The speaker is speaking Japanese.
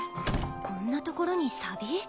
こんなところにさび？